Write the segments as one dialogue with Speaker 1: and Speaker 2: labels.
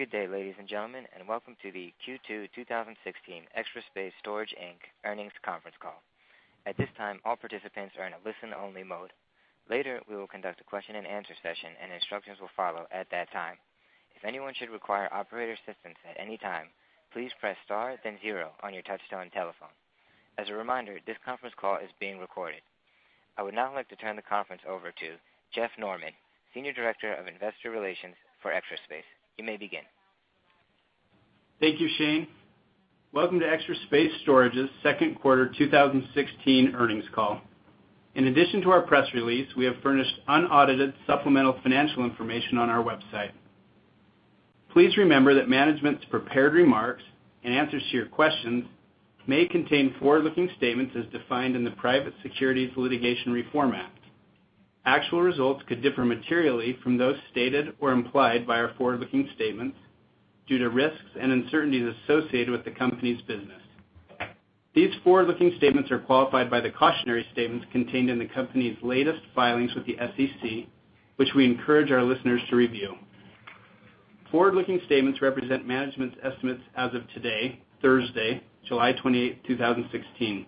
Speaker 1: Good day, ladies and gentlemen. Welcome to the Q2 2016 Extra Space Storage Inc. earnings conference call. At this time, all participants are in a listen-only mode. Later, we will conduct a question and answer session and instructions will follow at that time. If anyone should require operator assistance at any time, please press star then zero on your touch-tone telephone. As a reminder, this conference call is being recorded. I would now like to turn the conference over to Jeff Norman, Senior Director of Investor Relations for Extra Space. You may begin.
Speaker 2: Thank you, Shane. Welcome to Extra Space Storage's second quarter 2016 earnings call. In addition to our press release, we have furnished unaudited supplemental financial information on our website. Please remember that management's prepared remarks and answers to your questions may contain forward-looking statements as defined in the Private Securities Litigation Reform Act. Actual results could differ materially from those stated or implied by our forward-looking statements due to risks and uncertainties associated with the company's business. These forward-looking statements are qualified by the cautionary statements contained in the company's latest filings with the SEC, which we encourage our listeners to review. Forward-looking statements represent management's estimates as of today, Thursday, July 28, 2016.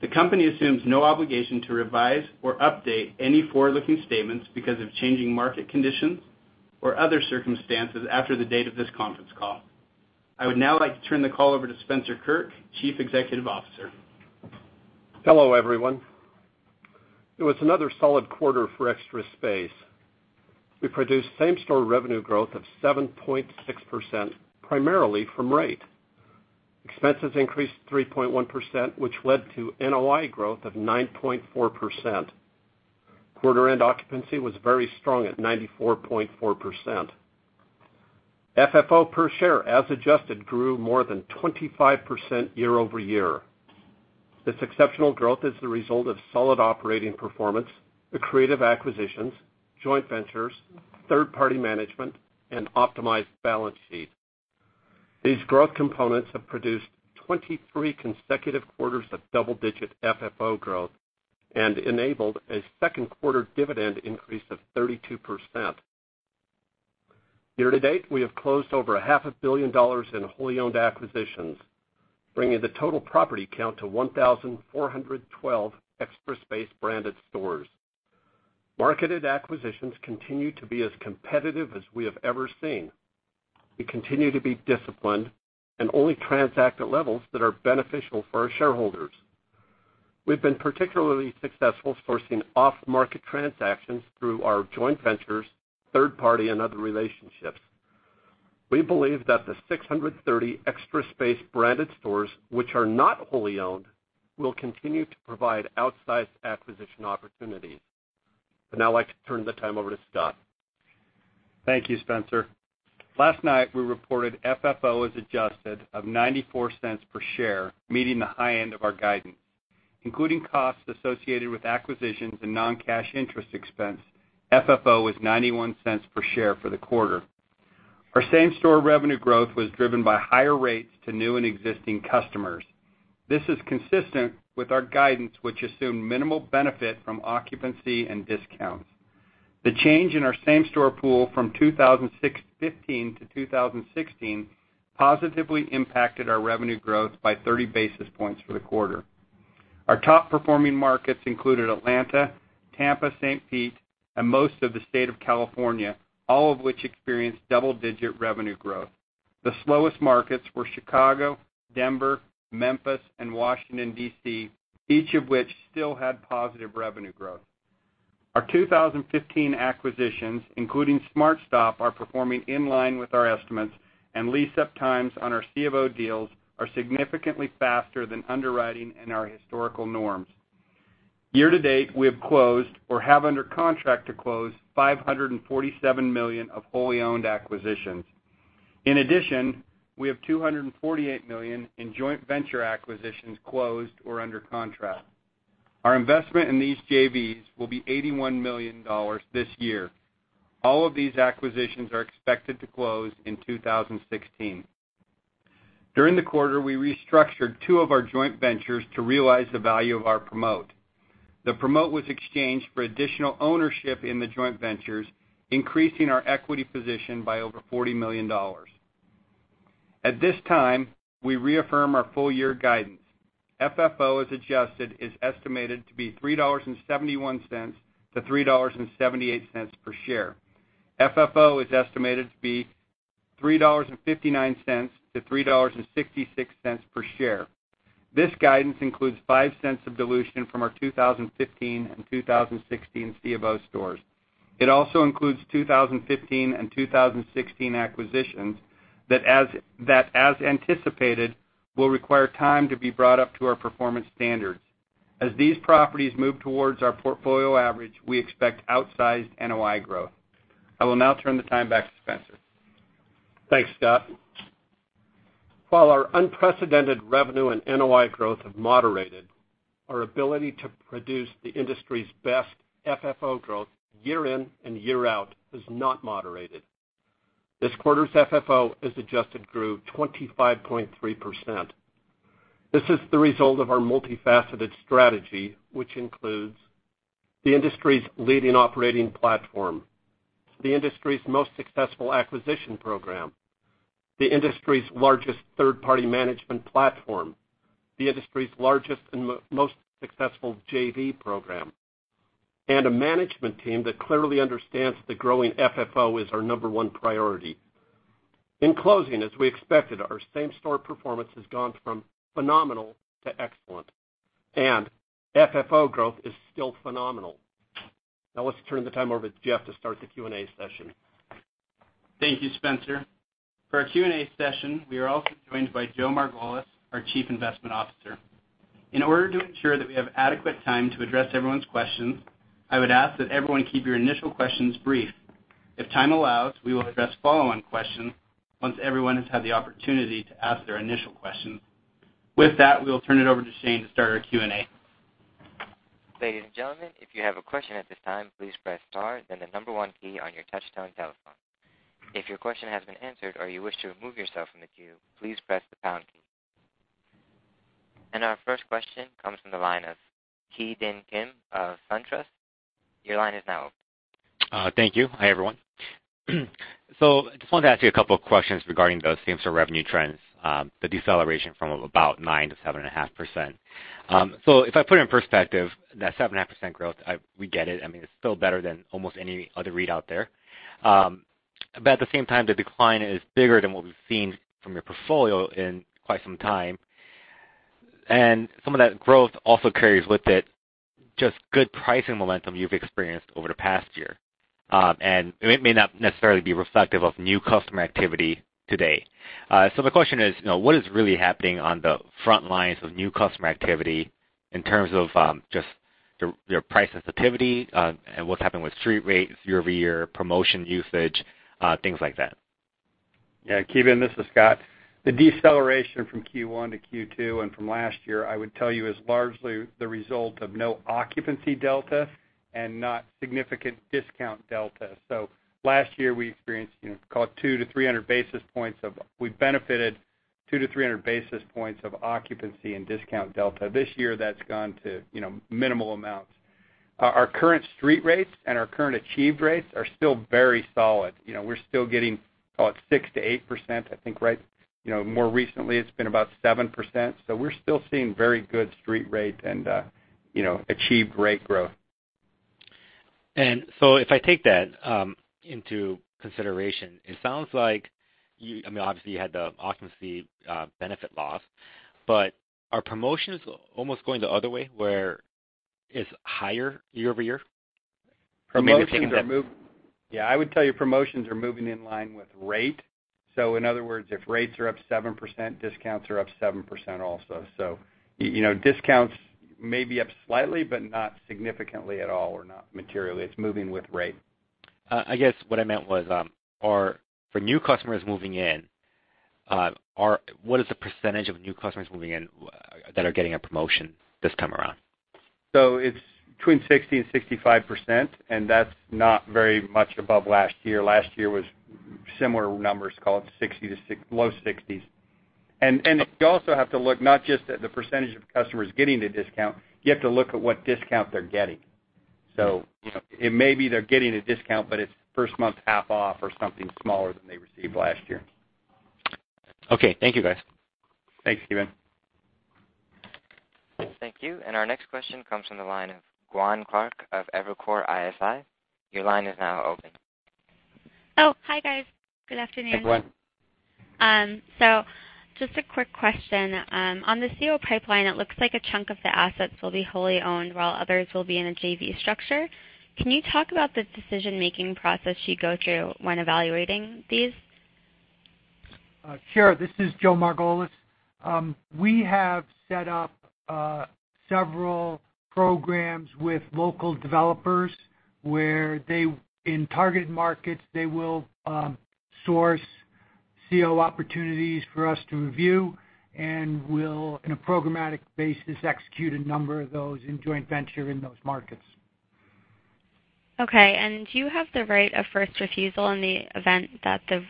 Speaker 2: The company assumes no obligation to revise or update any forward-looking statements because of changing market conditions or other circumstances after the date of this conference call. I would now like to turn the call over to Spencer Kirk, Chief Executive Officer.
Speaker 3: Hello, everyone. It was another solid quarter for Extra Space. We produced same-store revenue growth of 7.6%, primarily from rate. Expenses increased 3.1%, which led to NOI growth of 9.4%. Quarter end occupancy was very strong at 94.4%. FFO per share, as adjusted, grew more than 25% year-over-year. This exceptional growth is the result of solid operating performance, accretive acquisitions, joint ventures, third-party management, and optimized balance sheet. These growth components have produced 23 consecutive quarters of double-digit FFO growth and enabled a second quarter dividend increase of 32%. Year to date, we have closed over a half a billion dollars in wholly owned acquisitions, bringing the total property count to 1,412 Extra Space branded stores. Marketed acquisitions continue to be as competitive as we have ever seen. We continue to be disciplined and only transact at levels that are beneficial for our shareholders. We've been particularly successful sourcing off-market transactions through our joint ventures, third party, and other relationships. We believe that the 630 Extra Space branded stores, which are not wholly owned, will continue to provide outsized acquisition opportunities. I'd now like to turn the time over to Scott.
Speaker 4: Thank you, Spencer. Last night, we reported FFO as adjusted of $0.94 per share, meeting the high end of our guidance. Including costs associated with acquisitions and non-cash interest expense, FFO was $0.91 per share for the quarter. Our same-store revenue growth was driven by higher rates to new and existing customers. This is consistent with our guidance, which assumed minimal benefit from occupancy and discounts. The change in our same-store pool from 2015 to 2016 positively impacted our revenue growth by 30 basis points for the quarter. Our top performing markets included Atlanta, Tampa, St. Pete, and most of the state of California, all of which experienced double-digit revenue growth. The slowest markets were Chicago, Denver, Memphis and Washington, D.C., each of which still had positive revenue growth. Our 2015 acquisitions, including SmartStop, are performing in line with our estimates, and lease-up times on our C of O deals are significantly faster than underwriting and our historical norms. Year to date, we have closed or have under contract to close $547 million of wholly owned acquisitions. In addition, we have $248 million in joint venture acquisitions closed or under contract. Our investment in these JVs will be $81 million this year. All of these acquisitions are expected to close in 2016. During the quarter, we restructured two of our joint ventures to realize the value of our promote. The promote was exchanged for additional ownership in the joint ventures, increasing our equity position by over $40 million. At this time, we reaffirm our full year guidance. FFO as adjusted is estimated to be $3.71 to $3.78 per share. FFO is estimated to be $3.59 to $3.66 per share. This guidance includes $0.05 of dilution from our 2015 and 2016 C of O stores. It also includes 2015 and 2016 acquisitions that as anticipated, will require time to be brought up to our performance standards. As these properties move towards our portfolio average, we expect outsized NOI growth. I will now turn the time back to Spencer.
Speaker 3: Thanks, Scott. While our unprecedented revenue and NOI growth have moderated, our ability to produce the industry's best FFO growth year in and year out has not moderated. This quarter's FFO as adjusted grew 25.3%. This is the result of our multifaceted strategy, which includes the industry's leading operating platform, the industry's most successful acquisition program, the industry's largest third-party management platform, the industry's largest and most successful JV program, and a management team that clearly understands that growing FFO is our number one priority. In closing, as we expected, our same-store performance has gone from phenomenal to excellent, and FFO growth is still phenomenal. Let's turn the time over to Jeff to start the Q&A session.
Speaker 2: Thank you, Spencer. For our Q&A session, we are also joined by Joe Margolis, our Chief Investment Officer. In order to ensure that we have adequate time to address everyone's questions, I would ask that everyone keep your initial questions brief. If time allows, we will address follow-on questions once everyone has had the opportunity to ask their initial questions. With that, we'll turn it over to Shane to start our Q&A.
Speaker 1: Ladies and gentlemen, if you have a question at this time, please press star, then the number one key on your touchtone telephone. If your question has been answered or you wish to remove yourself from the queue, please press the pound key. Our first question comes from the line of Ki Bin Kim of SunTrust. Your line is now open.
Speaker 5: Thank you. Hi, everyone. I just wanted to ask you a couple of questions regarding those same-store revenue trends, the deceleration from about 9% to 7.5%. If I put it in perspective, that 7.5% growth, we get it. I mean, it's still better than almost any other readout there. At the same time, the decline is bigger than what we've seen from your portfolio in quite some time, and some of that growth also carries with it just good pricing momentum you've experienced over the past year. It may not necessarily be reflective of new customer activity today. The question is, what is really happening on the front lines with new customer activity in terms of just your price sensitivity and what's happening with street rates year-over-year, promotion usage, things like that?
Speaker 4: Yeah. Ki Bin, this is Scott. The deceleration from Q1 to Q2 and from last year, I would tell you, is largely the result of no occupancy delta and not significant discount delta. Last year, we benefited 200 to 300 basis points of occupancy in discount delta. This year, that's gone to minimal amounts. Our current street rates and our current achieved rates are still very solid. We're still getting, call it 6% to 8%, I think, right. More recently it's been about 7%. We're still seeing very good street rate and achieved rate growth.
Speaker 5: If I take that into consideration, it sounds like, I mean, obviously you had the occupancy benefit loss, are promotions almost going the other way, where it's higher year-over-year?
Speaker 4: Promotions are
Speaker 5: Maybe they've
Speaker 4: Yeah, I would tell you promotions are moving in line with rate. In other words, if rates are up 7%, discounts are up 7% also. Discounts may be up slightly, but not significantly at all, or not materially. It's moving with rate.
Speaker 5: I guess what I meant was, for new customers moving in, what is the % of new customers moving in that are getting a promotion this time around?
Speaker 4: It's between 60% and 65%, that's not very much above last year. Last year was similar numbers, call it 60 to low 60s. You also have to look not just at the % of customers getting the discount, you have to look at what discount they're getting. It may be they're getting a discount, but it's first month half off or something smaller than they received last year.
Speaker 5: Okay. Thank you, guys.
Speaker 4: Thanks, Ki Bin.
Speaker 1: Thank you. Our next question comes from the line of Gwen Clark of Evercore ISI. Your line is now open.
Speaker 6: Oh, hi, guys. Good afternoon.
Speaker 3: Hi, Gwen.
Speaker 6: Just a quick question. On the C of O pipeline, it looks like a chunk of the assets will be wholly owned, while others will be in a JV structure. Can you talk about the decision-making process you go through when evaluating these?
Speaker 7: Sure. This is Joe Margolis. We have set up several programs with local developers where they, in targeted markets, they will source C of O opportunities for us to review and we'll, in a programmatic basis, execute a number of those in joint venture in those markets.
Speaker 6: Okay. Do you have the right of first refusal in the event that the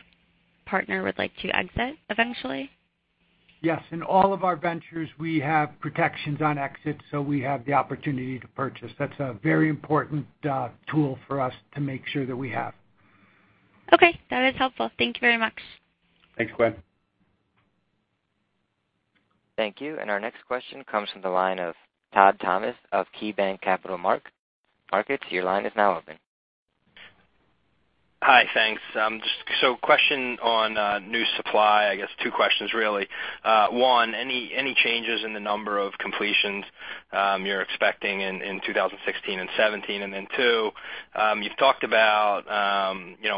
Speaker 6: partner would like to exit eventually?
Speaker 7: Yes. In all of our ventures, we have protections on exit, so we have the opportunity to purchase. That's a very important tool for us to make sure that we have.
Speaker 6: Okay. That is helpful. Thank you very much.
Speaker 7: Thanks, Gwen.
Speaker 1: Thank you. Our next question comes from the line of Todd Thomas of KeyBanc Capital Markets. Your line is now open.
Speaker 8: Hi. Thanks. Question on new supply. I guess two questions really. One, any changes in the number of completions you're expecting in 2016 and 2017? Two, you've talked about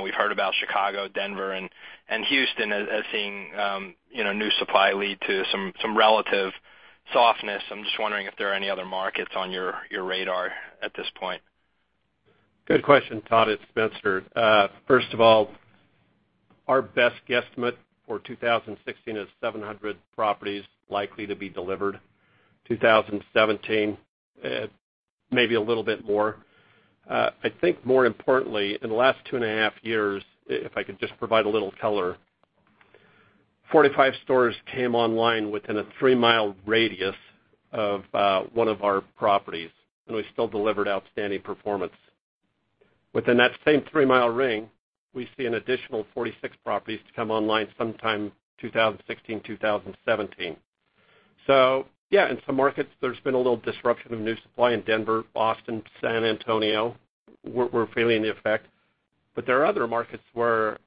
Speaker 8: we've heard about Chicago, Denver, and Houston as seeing new supply lead to some relative softness. I'm just wondering if there are any other markets on your radar at this point.
Speaker 3: Good question, Todd. It's Spencer. First of all, our best guesstimate for 2016 is 700 properties likely to be delivered 2017, maybe a little bit more. I think more importantly, in the last two and a half years, if I could just provide a little color, 45 stores came online within a three-mile radius of one of our properties, and we still delivered outstanding performance. Within that same three-mile ring, we see an additional 46 properties to come online sometime 2016, 2017. Yeah, in some markets, there's been a little disruption of new supply in Denver, Boston, San Antonio, we're feeling the effect, but there are other markets where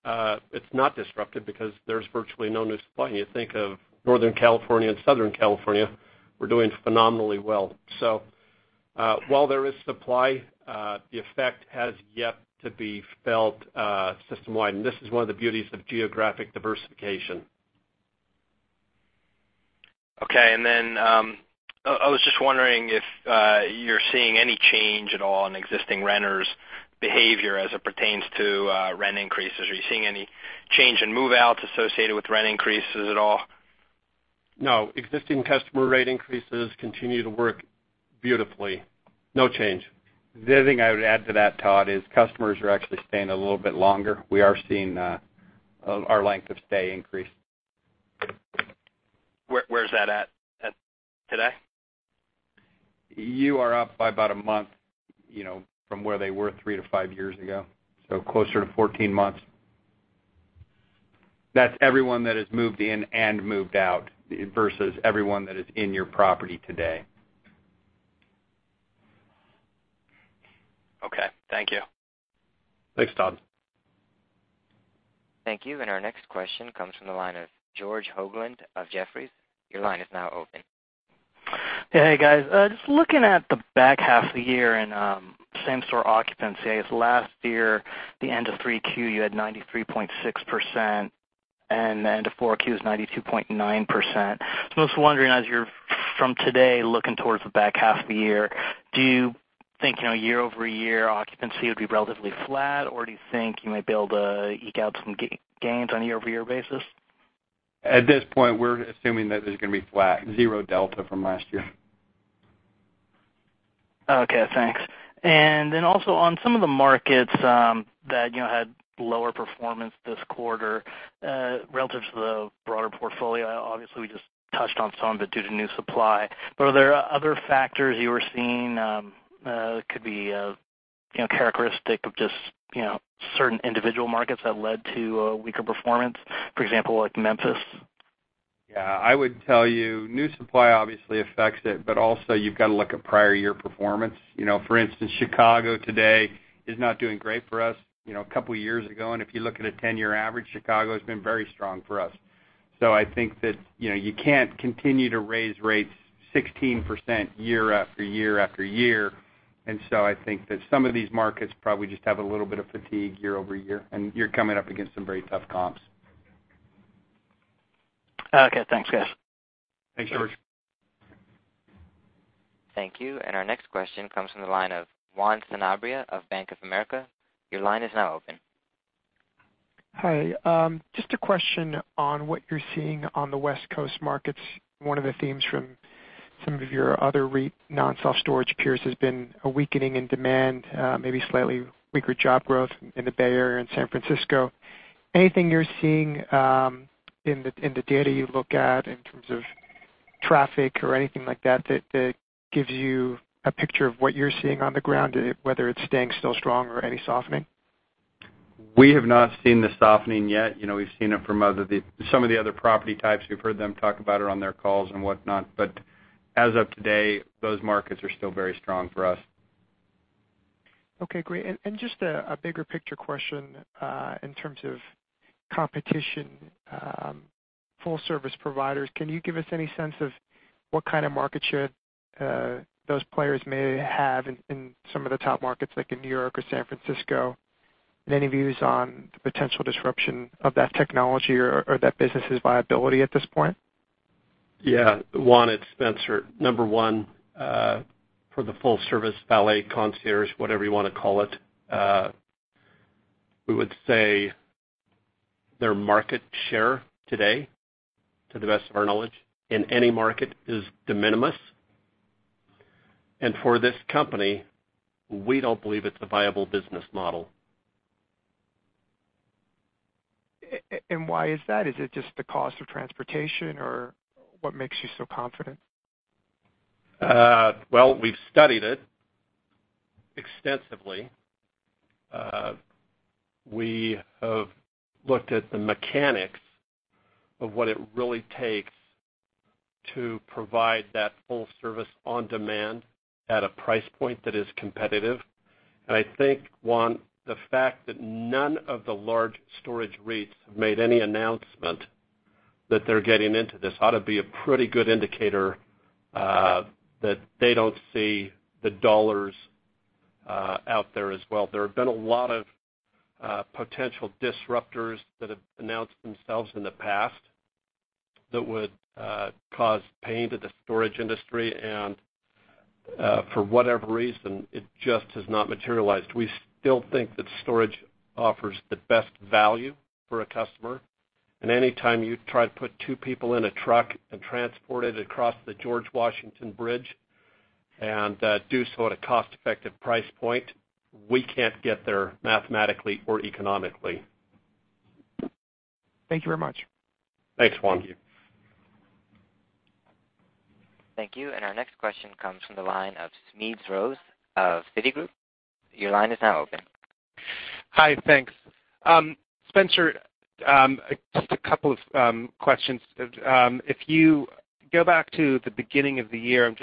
Speaker 3: it's not disruptive because there's virtually no new supply. You think of Northern California and Southern California, we're doing phenomenally well. While there is supply, the effect has yet to be felt system-wide, and this is one of the beauties of geographic diversification.
Speaker 8: I was just wondering if you're seeing any change at all in existing renters' behavior as it pertains to rent increases. Are you seeing any change in move-outs associated with rent increases at all?
Speaker 3: No. Existing customer rate increases continue to work beautifully. No change.
Speaker 4: The other thing I would add to that, Todd, is customers are actually staying a little bit longer. We are seeing our length of stay increase.
Speaker 8: Where's that at, today?
Speaker 4: You are up by about a month, from where they were three to five years ago, so closer to 14 months. That's everyone that has moved in and moved out, versus everyone that is in your property today.
Speaker 8: Okay. Thank you.
Speaker 4: Thanks, Todd.
Speaker 1: Thank you. Our next question comes from the line of George Hoglund of Jefferies. Your line is now open.
Speaker 9: Hey, guys. Just looking at the back half of the year and same store occupancy as last year, the end of 3Q, you had 93.6%, and the end of 4Q is 92.9%. I'm just wondering, as you're from today looking towards the back half of the year, do you think, year-over-year, occupancy would be relatively flat, or do you think you might be able to eke out some gains on a year-over-year basis?
Speaker 4: At this point, we're assuming that it's going to be flat, zero delta from last year.
Speaker 9: Okay, thanks. Also on some of the markets that had lower performance this quarter relative to the broader portfolio, obviously, we just touched on some of it due to new supply, but are there other factors you were seeing that could be characteristic of just certain individual markets that led to a weaker performance, for example, like Memphis?
Speaker 4: Yeah. I would tell you new supply obviously affects it, but also you've got to look at prior year performance. For instance, Chicago today is not doing great for us. A couple of years ago, if you look at a 10-year average, Chicago has been very strong for us. I think that you can't continue to raise rates 16% year after year after year, I think that some of these markets probably just have a little bit of fatigue year-over-year, and you're coming up against some very tough comps.
Speaker 9: Okay. Thanks, guys.
Speaker 4: Thanks, George.
Speaker 1: Thank you. Our next question comes from the line of Juan Sanabria of Bank of America. Your line is now open.
Speaker 10: Hi. Just a question on what you're seeing on the West Coast markets. One of the themes from some of your other REIT non-self storage peers has been a weakening in demand, maybe slightly weaker job growth in the Bay Area, in San Francisco. Anything you're seeing in the data you look at in terms of traffic or anything like that gives you a picture of what you're seeing on the ground, whether it's staying still strong or any softening?
Speaker 4: We have not seen the softening yet. We've seen it from some of the other property types. We've heard them talk about it on their calls and whatnot. As of today, those markets are still very strong for us.
Speaker 10: Okay, great. Just a bigger picture question, in terms of competition, full service providers. Can you give us any sense of what kind of market share those players may have in some of the top markets like in New York or San Francisco? Any views on the potential disruption of that technology or that business's viability at this point?
Speaker 3: Yeah. Juan, it's Spencer. Number 1, for the full service valet, concierge, whatever you want to call it, we would say their market share today, to the best of our knowledge, in any market is de minimis. For this company, we don't believe it's a viable business model.
Speaker 10: Why is that? Is it just the cost of transportation, or what makes you so confident?
Speaker 3: Well, we've studied it extensively. We have looked at the mechanics of what it really takes to provide that full service on demand at a price point that is competitive. I think, Juan, the fact that none of the large storage REITs have made any announcement that they're getting into this ought to be a pretty good indicator that they don't see the dollars out there as well. There have been a lot of potential disruptors that have announced themselves in the past that would cause pain to the storage industry. For whatever reason, it just has not materialized. We still think that storage offers the best value for a customer, anytime you try to put two people in a truck and transport it across the George Washington Bridge and do so at a cost-effective price point, we can't get there mathematically or economically.
Speaker 10: Thank you very much.
Speaker 3: Thanks, Juan.
Speaker 1: Thank you. Our next question comes from the line of Smedes Rose of Citigroup. Your line is now open.
Speaker 11: Hi, thanks. Spencer, just a couple of questions. If you go back to the beginning of the year,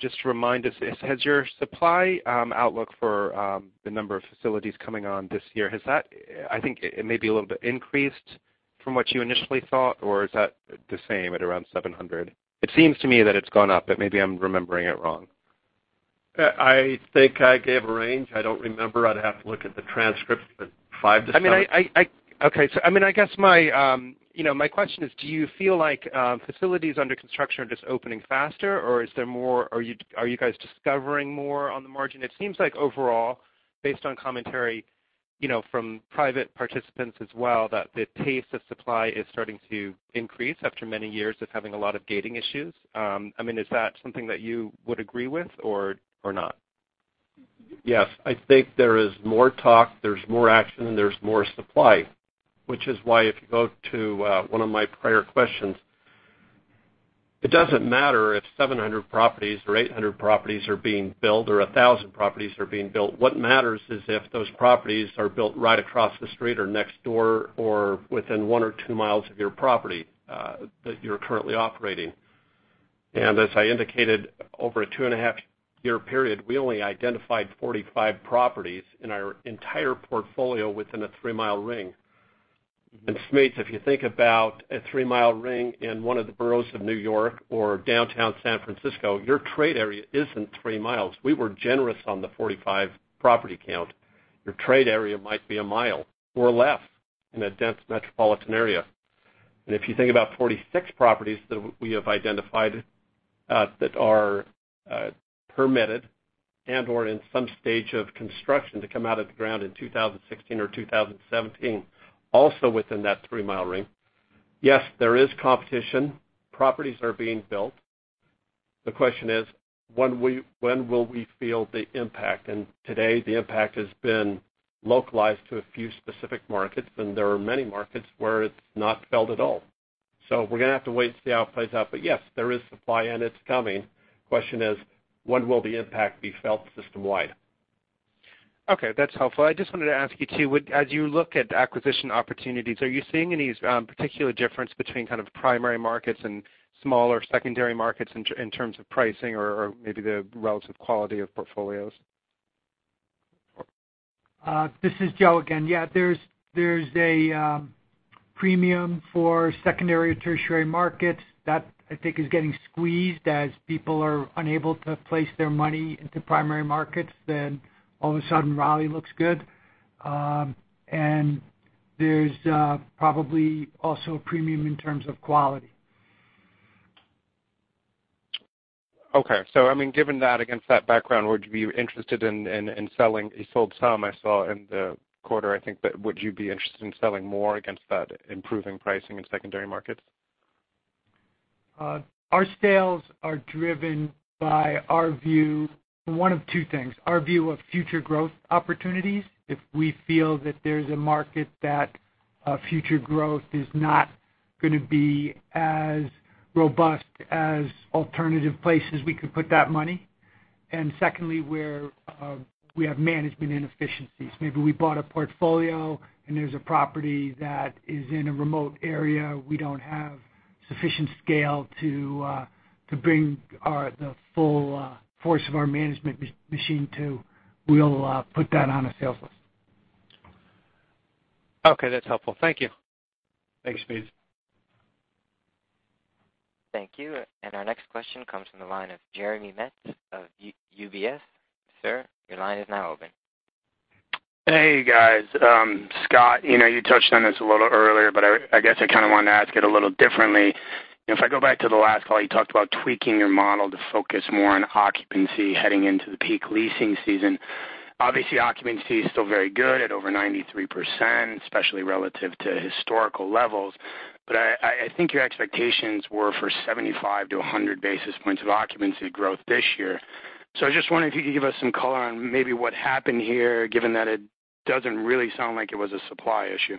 Speaker 11: just remind us, has your supply outlook for the number of facilities coming on this year, I think it may be a little bit increased from what you initially thought, or is that the same at around 700? It seems to me that it's gone up, but maybe I'm remembering it wrong.
Speaker 3: I think I gave a range. I don't remember. I'd have to look at the transcripts, but five to seven.
Speaker 11: Okay. I guess my question is, do you feel like facilities under construction are just opening faster, or are you guys discovering more on the margin? It seems like overall, based on commentary from private participants as well, that the pace of supply is starting to increase after many years of having a lot of gating issues. Is that something that you would agree with or not?
Speaker 3: Yes. I think there is more talk, there's more action. There's more supply, which is why if you go to one of my prior questions, it doesn't matter if 700 properties or 800 properties are being built, or 1,000 properties are being built. What matters is if those properties are built right across the street or next door, or within one or two miles of your property, that you're currently operating. As I indicated, over a two-and-a-half year period, we only identified 45 properties in our entire portfolio within a three-mile ring. Smedes, if you think about a three-mile ring in one of the boroughs of New York or downtown San Francisco, your trade area isn't three miles. We were generous on the 45 property count. Your trade area might be a mile or less in a dense metropolitan area. If you think about 46 properties that we have identified that are permitted and/or in some stage of construction to come out of the ground in 2016 or 2017, also within that three-mile ring. Yes, there is competition. Properties are being built. The question is, when will we feel the impact? Today the impact has been localized to a few specific markets, and there are many markets where it's not felt at all. We're going to have to wait and see how it plays out. Yes, there is supply and it's coming. Question is, when will the impact be felt system wide?
Speaker 11: Okay, that's helpful. I just wanted to ask you too, as you look at acquisition opportunities, are you seeing any particular difference between kind of primary markets and smaller secondary markets in terms of pricing or maybe the relative quality of portfolios?
Speaker 7: This is Joe again. Yeah, there's a premium for secondary or tertiary markets that I think is getting squeezed as people are unable to place their money into primary markets, then all of a sudden Raleigh looks good. There's probably also a premium in terms of quality.
Speaker 11: Okay. Given that, against that background, would you be interested in selling? You sold some, I saw in the quarter, I think, would you be interested in selling more against that improving pricing in secondary markets?
Speaker 7: Our sales are driven by one of two things, our view of future growth opportunities. If we feel that there's a market that future growth is not going to be as robust as alternative places we could put that money. Secondly, where we have management inefficiencies. Maybe we bought a portfolio and there's a property that is in a remote area, we don't have sufficient scale to bring the full force of our management machine to, we'll put that on a sales list.
Speaker 11: Okay, that's helpful. Thank you.
Speaker 3: Thanks, Smedes.
Speaker 1: Thank you. Our next question comes from the line of Jeremy Metz of UBS. Sir, your line is now open.
Speaker 12: Hey, guys. Scott, you touched on this a little earlier, but I guess I kind of wanted to ask it a little differently. If I go back to the last call, you talked about tweaking your model to focus more on occupancy heading into the peak leasing season. Obviously, occupancy is still very good at over 93%, especially relative to historical levels. I think your expectations were for 75 to 100 basis points of occupancy growth this year. I just wondered if you could give us some color on maybe what happened here, given that it doesn't really sound like it was a supply issue.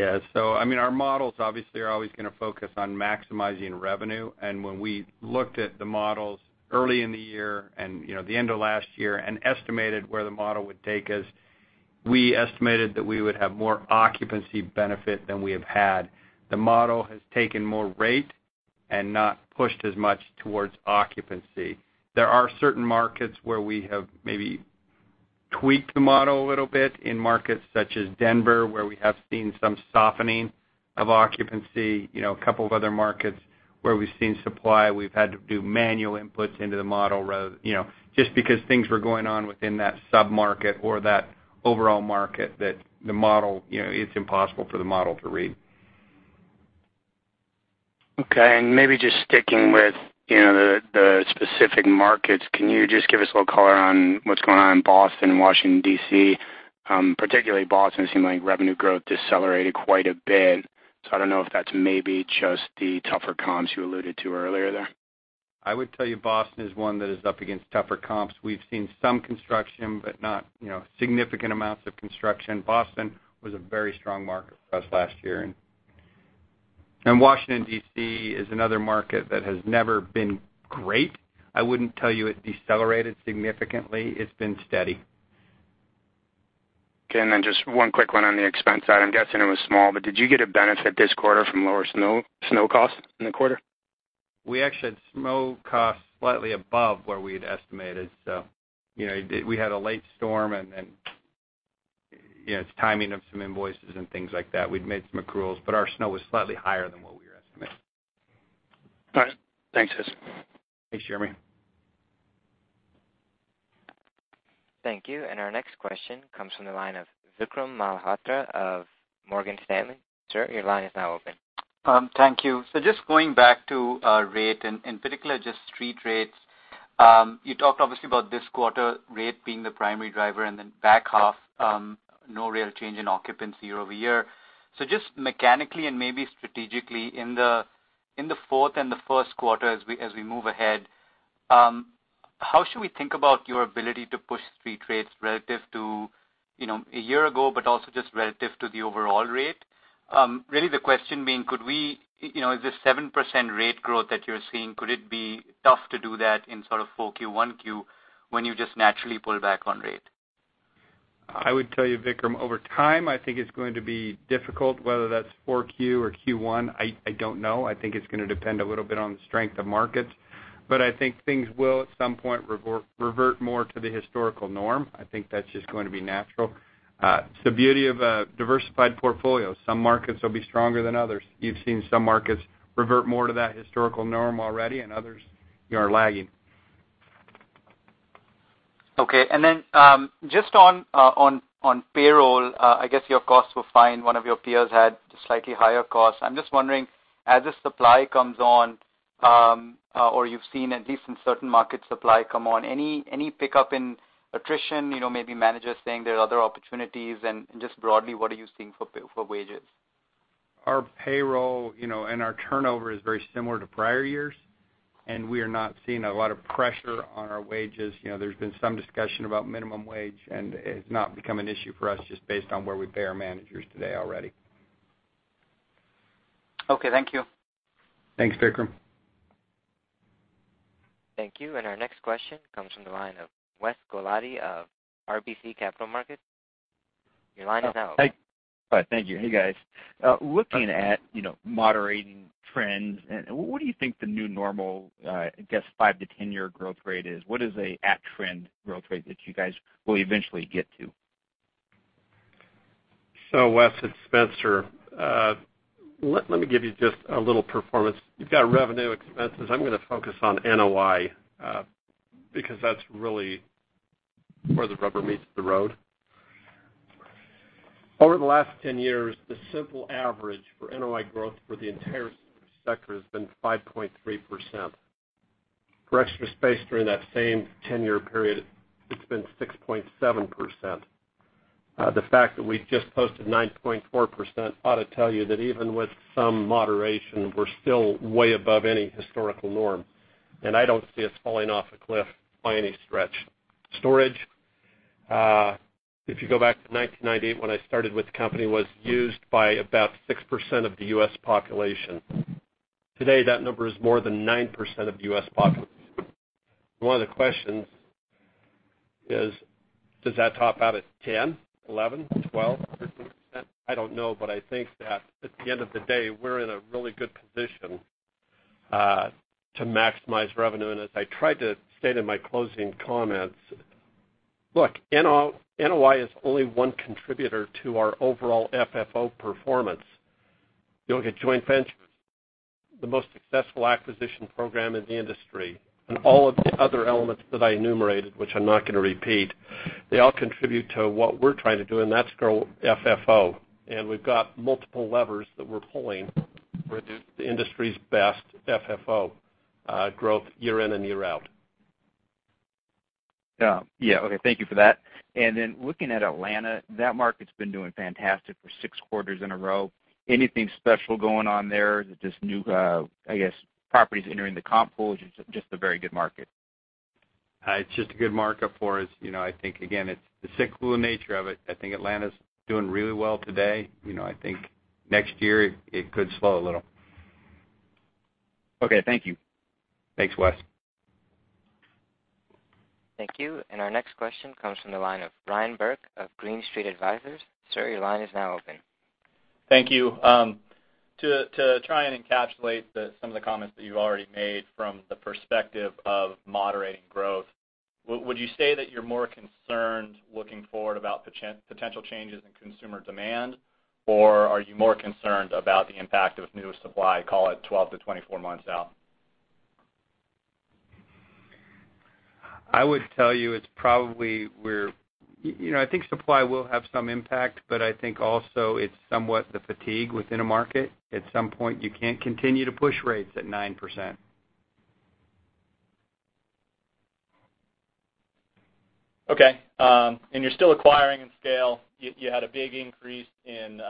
Speaker 3: Yeah. Our models obviously are always going to focus on maximizing revenue. When we looked at the models early in the year and the end of last year and estimated where the model would take us, we estimated that we would have more occupancy benefit than we have had. The model has taken more rate and not pushed as much towards occupancy. There are certain markets where we have maybe tweaked the model a little bit in markets such as Denver, where we have seen some softening of occupancy. A couple of other markets where we've seen supply, we've had to do manual inputs into the model, just because things were going on within that sub-market or that overall market that it's impossible for the model to read.
Speaker 12: Okay. Maybe just sticking with the specific markets, can you just give us a little color on what's going on in Boston and Washington, D.C.? Particularly Boston, it seemed like revenue growth decelerated quite a bit, I don't know if that's maybe just the tougher comps you alluded to earlier there.
Speaker 3: I would tell you Boston is one that is up against tougher comps. We've seen some construction, but not significant amounts of construction. Boston was a very strong market for us last year. Washington, D.C., is another market that has never been great. I wouldn't tell you it decelerated significantly. It's been steady.
Speaker 12: Okay. Just one quick one on the expense side. I'm guessing it was small, but did you get a benefit this quarter from lower snow costs in the quarter?
Speaker 3: We actually had snow costs slightly above where we had estimated. We had a late storm, it's timing of some invoices and things like that. We'd made some accruals, but our snow was slightly higher than what we were estimating.
Speaker 12: All right. Thanks, guys.
Speaker 3: Thanks, Jeremy.
Speaker 1: Thank you. Our next question comes from the line of Vikram Malhotra of Morgan Stanley. Sir, your line is now open.
Speaker 13: Thank you. Just going back to rate, and in particular just street rates. You talked obviously about this quarter rate being the primary driver and then back half, no real change in occupancy year-over-year. Just mechanically and maybe strategically in the fourth and the first quarter as we move ahead, how should we think about your ability to push street rates relative to a year ago, but also just relative to the overall rate? Really the question being, is this 7% rate growth that you're seeing, could it be tough to do that in sort of 4Q, 1Q, when you just naturally pull back on rate?
Speaker 3: I would tell you, Vikram, over time, I think it's going to be difficult. Whether that's 4Q or Q1, I don't know. I think it's going to depend a little bit on the strength of markets. I think things will, at some point, revert more to the historical norm. I think that's just going to be natural. It's the beauty of a diversified portfolio. Some markets will be stronger than others. You've seen some markets revert more to that historical norm already and others are lagging.
Speaker 13: Okay. Just on payroll, I guess your costs were fine. One of your peers had slightly higher costs. I'm just wondering, as the supply comes on, or you've seen at least in certain markets supply come on, any pickup in attrition, maybe managers saying there are other opportunities and just broadly, what are you seeing for wages?
Speaker 3: Our payroll and our turnover is very similar to prior years. We are not seeing a lot of pressure on our wages. There's been some discussion about minimum wage. It's not become an issue for us just based on where we pay our managers today already.
Speaker 13: Okay. Thank you.
Speaker 3: Thanks, Vikram.
Speaker 1: Thank you. Our next question comes from the line of Wes Golladay of RBC Capital Markets. Your line is now open.
Speaker 14: Hi. Thank you. Hey, guys. Looking at moderating trends, what do you think the new normal, I guess, five to 10-year growth rate is? What is a at-trend growth rate that you guys will eventually get to?
Speaker 3: Wes, it's Spencer. Let me give you just a little performance. You've got revenue expenses. I'm going to focus on NOI, because that's really where the rubber meets the road. Over the last 10 years, the simple average for NOI growth for the entire sector has been 5.3%. For Extra Space during that same 10-year period, it's been 6.7%. The fact that we've just posted 9.4% ought to tell you that even with some moderation, we're still way above any historical norm. I don't see us falling off a cliff by any stretch. Storage, if you go back to 1998 when I started with the company, was used by about 6% of the U.S. population. Today, that number is more than 9% of the U.S. population. One of the questions is, does that top out at 10, 11, 12, 13%? I don't know. I think that at the end of the day, we're in a really good position to maximize revenue. As I tried to state in my closing comments, look, NOI is only one contributor to our overall FFO performance. You look at joint ventures, the most successful acquisition program in the industry, and all of the other elements that I enumerated, which I'm not going to repeat, they all contribute to what we're trying to do, and that's grow FFO. We've got multiple levers that we're pulling to produce the industry's best FFO growth year in and year out.
Speaker 14: Yeah. Okay. Thank you for that. Looking at Atlanta, that market's been doing fantastic for six quarters in a row. Anything special going on there? Is it just new, I guess, properties entering the comp pool, or just a very good market?
Speaker 3: It's just a good market for us. I think, again, it's the cyclical nature of it. I think Atlanta's doing really well today. I think next year it could slow a little.
Speaker 14: Okay. Thank you.
Speaker 3: Thanks, Wes.
Speaker 1: Thank you. Our next question comes from the line of Ryan Burke of Green Street Advisors. Sir, your line is now open.
Speaker 15: Thank you. To try and encapsulate some of the comments that you already made from the perspective of moderating growth, would you say that you're more concerned looking forward about potential changes in consumer demand? Are you more concerned about the impact of new supply, call it 12-24 months out?
Speaker 3: I would tell you it's probably I think supply will have some impact, but I think also it's somewhat the fatigue within a market. At some point, you can't continue to push rates at 9%.
Speaker 15: Okay. You're still acquiring in scale. You had a big increase in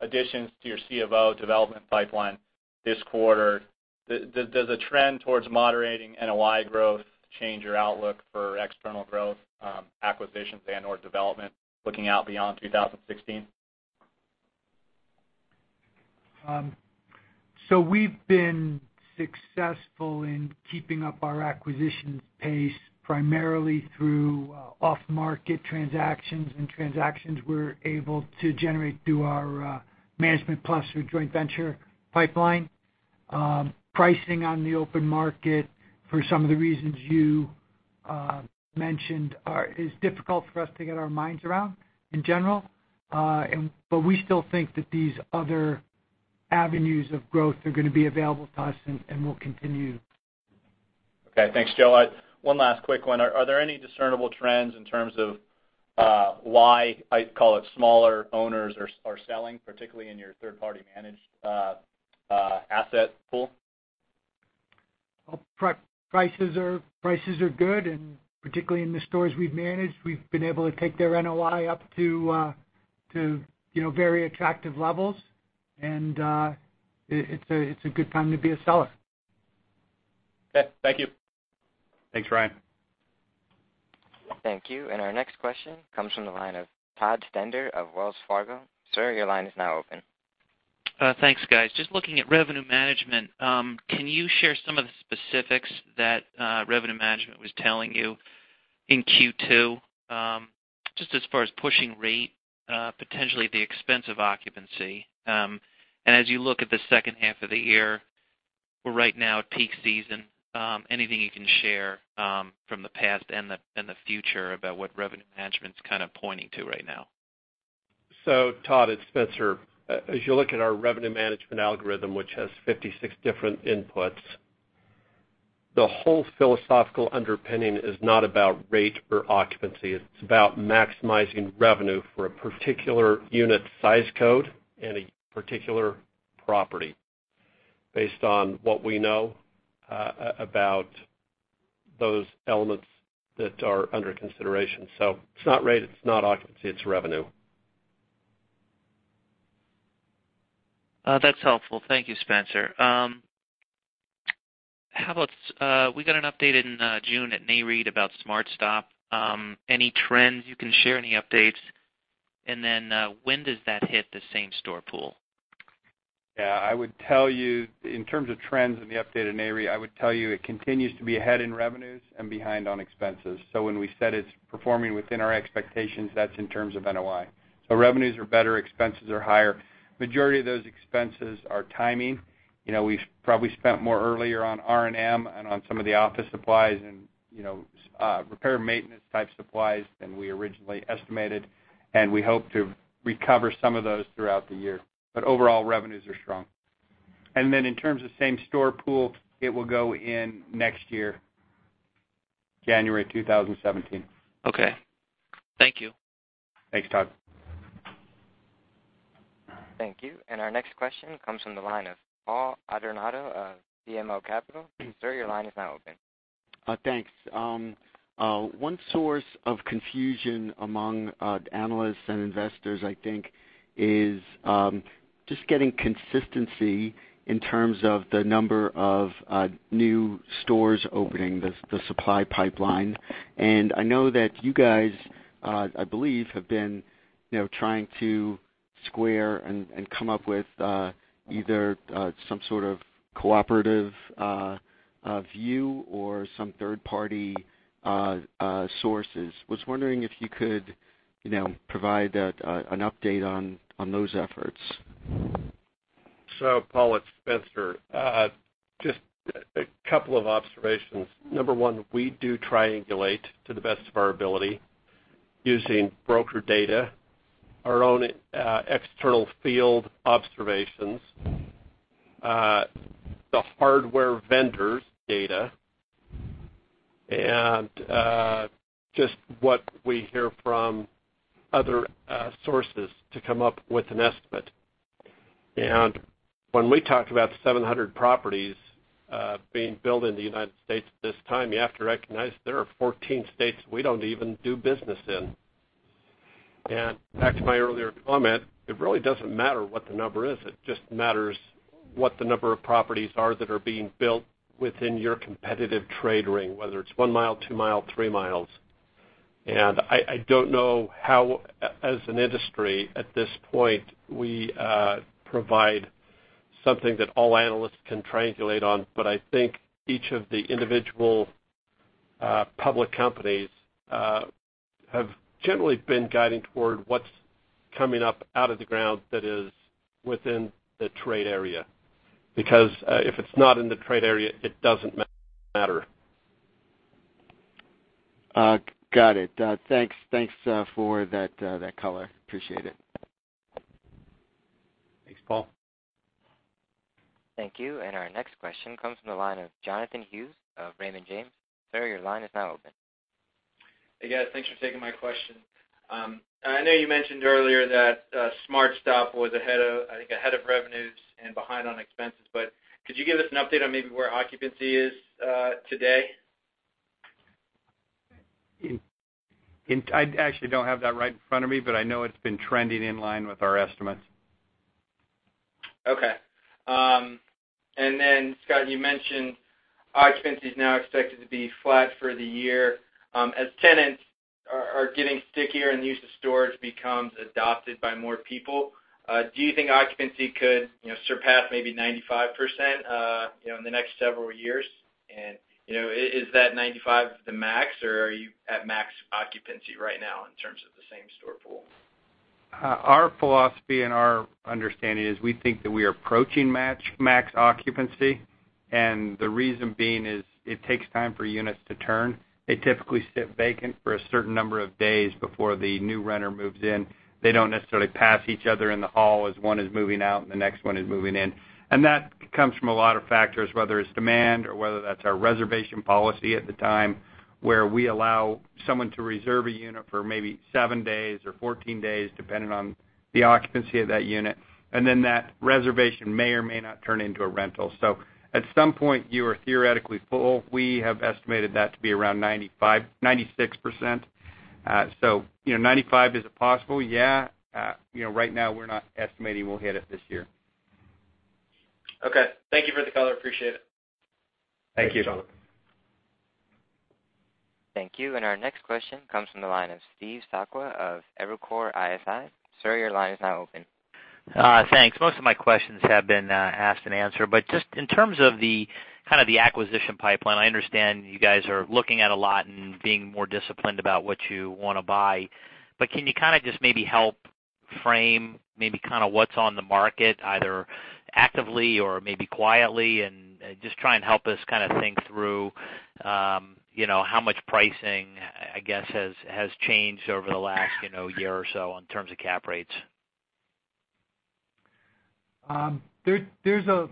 Speaker 15: additions to your C of O development pipeline this quarter. Does the trend towards moderating NOI growth change your outlook for external growth, acquisitions and/or development looking out beyond 2016?
Speaker 7: We've been successful in keeping up our acquisitions pace primarily through off-market transactions and transactions we're able to generate through our Management Plus or joint venture pipeline. Pricing on the open market for some of the reasons you mentioned is difficult for us to get our minds around in general. We still think that these other avenues of growth are going to be available to us, and will continue.
Speaker 15: Okay. Thanks, Joe. One last quick one. Are there any discernible trends in terms of why, I call it smaller owners are selling, particularly in your third-party managed asset pool?
Speaker 7: Prices are good, and particularly in the stores we've managed, we've been able to take their NOI up to very attractive levels, and it's a good time to be a seller.
Speaker 15: Okay. Thank you.
Speaker 3: Thanks, Ryan.
Speaker 1: Thank you. Our next question comes from the line of Todd Stender of Wells Fargo. Sir, your line is now open.
Speaker 16: Thanks, guys. Just looking at revenue management. Can you share some of the specifics that revenue management was telling you in Q2? Just as far as pushing rate, potentially at the expense of occupancy. As you look at the second half of the year, we're right now at peak season, anything you can share from the past and the future about what revenue management's kind of pointing to right now?
Speaker 3: Todd, it's Spencer. As you look at our revenue management algorithm, which has 56 different inputs, the whole philosophical underpinning is not about rate or occupancy. It's about maximizing revenue for a particular unit size code and a particular property based on what we know about those elements that are under consideration. It's not rate, it's not occupancy, it's revenue.
Speaker 16: That's helpful. Thank you, Spencer. We got an update in June at NAREIT about SmartStop. Any trends you can share? Any updates? When does that hit the same-store pool?
Speaker 3: In terms of trends in the update at NAREIT, I would tell you it continues to be ahead in revenues and behind on expenses. When we said it's performing within our expectations, that's in terms of NOI. Revenues are better, expenses are higher. Majority of those expenses are timing. We've probably spent more earlier on R&M and on some of the office supplies and repair maintenance type supplies than we originally estimated, and we hope to recover some of those throughout the year. Overall, revenues are strong. In terms of same-store pool, it will go in next year, January 2017.
Speaker 16: Okay. Thank you.
Speaker 3: Thanks, Todd.
Speaker 1: Thank you. Our next question comes from the line of Paul Adornato of BMO Capital. Sir, your line is now open.
Speaker 17: Thanks. One source of confusion among analysts and investors, I think, is just getting consistency in terms of the number of new stores opening, the supply pipeline. I know that you guys, I believe, have been trying to square and come up with either some sort of cooperative view or some third-party sources. Was wondering if you could provide an update on those efforts.
Speaker 3: Paul, it's Spencer. Just a couple of observations. Number one, we do triangulate to the best of our ability using broker data, our own external field observations, the hardware vendors' data, and just what we hear from other sources to come up with an estimate. When we talk about 700 properties being built in the United States at this time, you have to recognize there are 14 states we don't even do business in. Back to my earlier comment, it really doesn't matter what the number is. It just matters what the number of properties are that are being built within your competitive trade ring, whether it's one mile, two mile, three miles. I don't know how, as an industry at this point, we provide something that all analysts can triangulate on, but I think each of the individual public companies have generally been guiding toward what's coming up out of the ground that is within the trade area. Because if it's not in the trade area, it doesn't matter.
Speaker 17: Got it. Thanks for that color. Appreciate it.
Speaker 4: Thanks, Paul.
Speaker 1: Thank you. Our next question comes from the line of Jonathan Hughes of Raymond James. Sir, your line is now open.
Speaker 18: Hey, guys, thanks for taking my question. I know you mentioned earlier that SmartStop was ahead of revenues and behind on expenses. Could you give us an update on maybe where occupancy is today?
Speaker 4: I actually don't have that right in front of me. I know it's been trending in line with our estimates.
Speaker 18: Okay. Scott, you mentioned occupancy is now expected to be flat for the year. As tenants are getting stickier and the use of storage becomes adopted by more people, do you think occupancy could surpass maybe 95% in the next several years? Is that 95 the max, or are you at max occupancy right now in terms of the same-store pool?
Speaker 4: Our philosophy and our understanding is we think that we are approaching max occupancy. The reason being is it takes time for units to turn. They typically sit vacant for a certain number of days before the new renter moves in. They don't necessarily pass each other in the hall as one is moving out and the next one is moving in. That comes from a lot of factors, whether it's demand or whether that's our reservation policy at the time, where we allow someone to reserve a unit for maybe 7 days or 14 days, depending on the occupancy of that unit. That reservation may or may not turn into a rental. At some point, you are theoretically full. We have estimated that to be around 96%. 95, is it possible? Yeah. Right now, we're not estimating we'll hit it this year.
Speaker 18: Okay. Thank you for the color. Appreciate it.
Speaker 4: Thank you, Jonathan.
Speaker 1: Thank you. Our next question comes from the line of Steve Sakwa of Evercore ISI. Sir, your line is now open.
Speaker 19: Thanks. Most of my questions have been asked and answered, but just in terms of the acquisition pipeline, I understand you guys are looking at a lot and being more disciplined about what you want to buy, but can you kind of just maybe help frame maybe kind of what's on the market, either actively or maybe quietly, and just try and help us kind of think through, how much pricing, I guess, has changed over the last year or so in terms of cap rates?
Speaker 7: There's a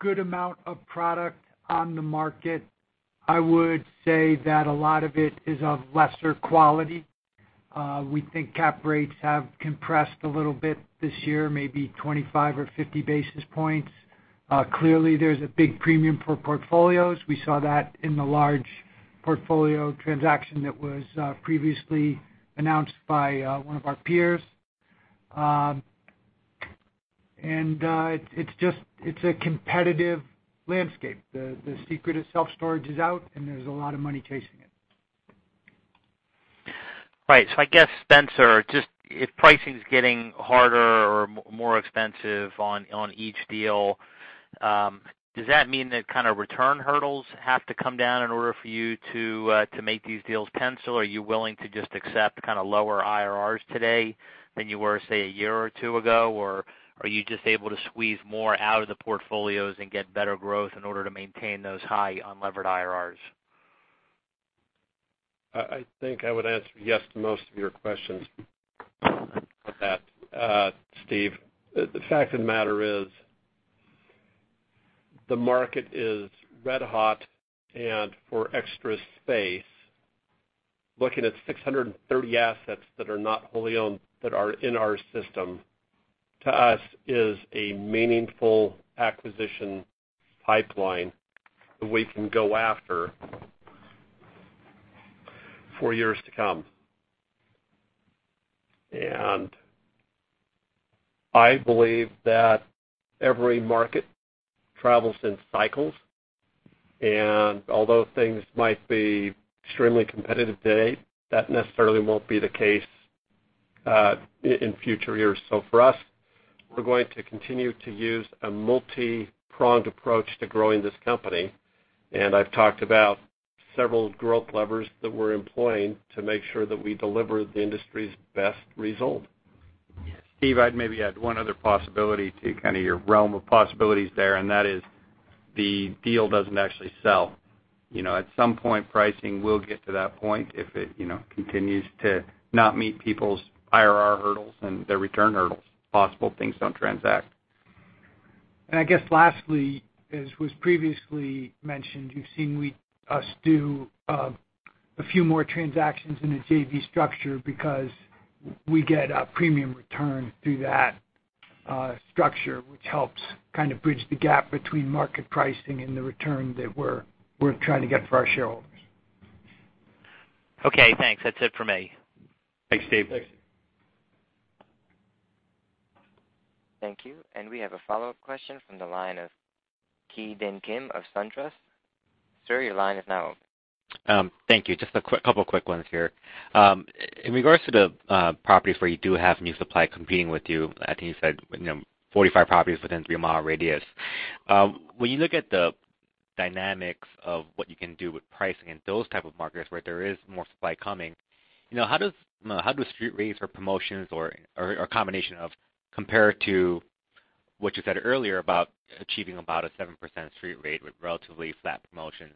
Speaker 7: good amount of product on the market. I would say that a lot of it is of lesser quality. We think cap rates have compressed a little bit this year, maybe 25 or 50 basis points. Clearly, there's a big premium for portfolios. We saw that in the large portfolio transaction that was previously announced by one of our peers. It's a competitive landscape. The secret of self-storage is out. There's a lot of money chasing it.
Speaker 19: Right. I guess, Spencer, if pricing's getting harder or more expensive on each deal, does that mean that kind of return hurdles have to come down in order for you to make these deals pencil? Are you willing to just accept kind of lower IRRs today than you were, say, a year or two ago? Are you just able to squeeze more out of the portfolios and get better growth in order to maintain those high unlevered IRRs?
Speaker 3: I think I would answer yes to most of your questions on that, Steve. The fact of the matter is, the market is red hot and for Extra Space, looking at 630 assets that are not wholly owned that are in our system, to us is a meaningful acquisition pipeline that we can go after for years to come. I believe that every market travels in cycles. Although things might be extremely competitive today, that necessarily won't be the case in future years. For us, we're going to continue to use a multi-pronged approach to growing this company. I've talked about several growth levers that we're employing to make sure that we deliver the industry's best result.
Speaker 4: Steve, I'd maybe add one other possibility to kind of your realm of possibilities there. That is the deal doesn't actually sell. At some point, pricing will get to that point if it continues to not meet people's IRR hurdles and their return hurdles. Possible things don't transact.
Speaker 7: I guess lastly, as was previously mentioned, you've seen us do a few more transactions in a JV structure because we get a premium return through that structure, which helps kind of bridge the gap between market pricing and the return that we're trying to get for our shareholders.
Speaker 19: Okay, thanks. That's it from me.
Speaker 3: Thanks, Steve.
Speaker 4: Thanks.
Speaker 1: Thank you. We have a follow-up question from the line of Ki Bin Kim of SunTrust. Sir, your line is now open.
Speaker 5: Thank you. Just a couple quick ones here. In regards to the properties where you do have new supply competing with you, I think you said 45 properties within 3-mile radius. When you look at the dynamics of what you can do with pricing in those type of markets where there is more supply coming, how does street rates or promotions or a combination of compare to what you said earlier about achieving about a 7% street rate with relatively flat promotions?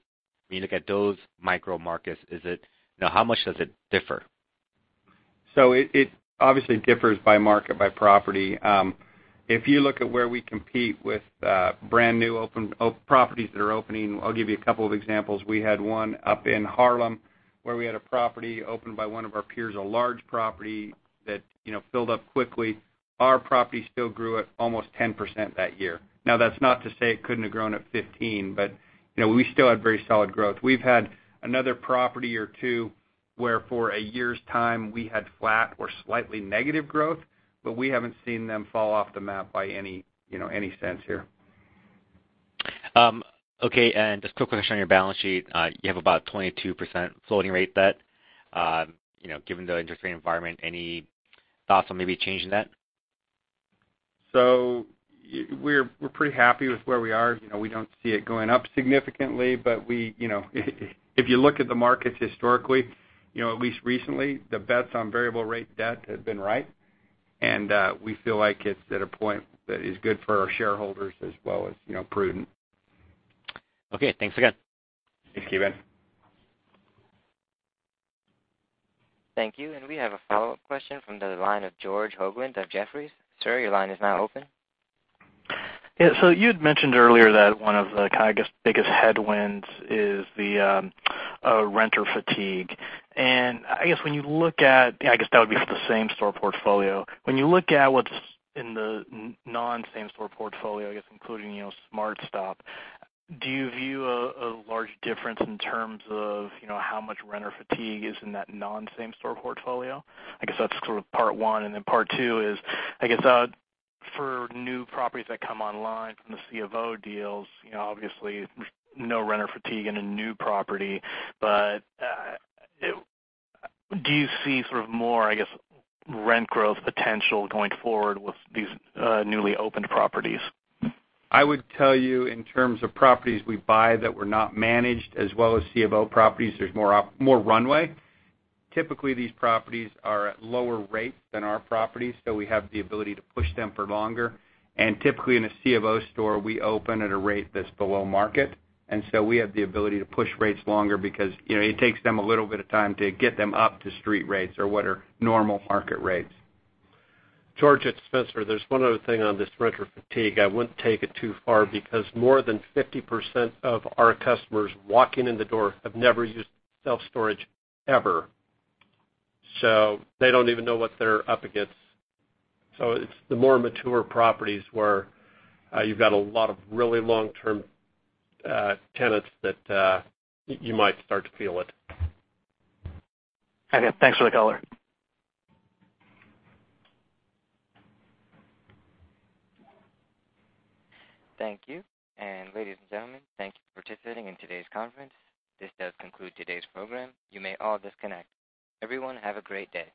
Speaker 5: When you look at those micro markets, how much does it differ?
Speaker 4: It obviously differs by market, by property. If you look at where we compete with brand new properties that are opening, I'll give you a couple of examples. We had one up in Harlem where we had a property opened by one of our peers, a large property that filled up quickly. Our property still grew at almost 10% that year. That's not to say it couldn't have grown at 15, but we still had very solid growth. We've had another property or two where for a year's time we had flat or slightly negative growth, but we haven't seen them fall off the map by any sense here.
Speaker 5: Okay. Just a quick question on your balance sheet. You have about 22% floating rate debt. Given the interest rate environment, any thoughts on maybe changing that?
Speaker 4: We're pretty happy with where we are. We don't see it going up significantly. If you look at the markets historically, at least recently, the bets on variable rate debt have been right, and we feel like it's at a point that is good for our shareholders as well as prudent.
Speaker 5: Okay, thanks again.
Speaker 4: Thanks, Ki Bin.
Speaker 1: Thank you. We have a follow-up question from the line of George Hoglund of Jefferies. Sir, your line is now open.
Speaker 9: You had mentioned earlier that one of the biggest headwinds is the renter fatigue. When you look at that would be for the same-store portfolio. When you look at what's in the non-same-store portfolio, including SmartStop, do you view a large difference in terms of how much renter fatigue is in that non-same-store portfolio? That's sort of part one. Part two is for new properties that come online from the C of O deals, obviously, no renter fatigue in a new property. Do you see sort of more rent growth potential going forward with these newly opened properties?
Speaker 4: I would tell you in terms of properties we buy that were not managed as well as C of O properties, there's more runway. Typically, these properties are at lower rates than our properties, so we have the ability to push them for longer. Typically, in a C of O store, we open at a rate that's below market. So we have the ability to push rates longer because it takes them a little bit of time to get them up to street rates or what are normal market rates.
Speaker 3: George, it's Spencer. There's one other thing on this renter fatigue. I wouldn't take it too far because more than 50% of our customers walking in the door have never used self-storage ever. They don't even know what they're up against. It's the more mature properties where you've got a lot of really long-term tenants that you might start to feel it.
Speaker 9: Okay, thanks for the color.
Speaker 1: Thank you. Ladies and gentlemen, thank you for participating in today's conference. This does conclude today's program. You may all disconnect. Everyone have a great day.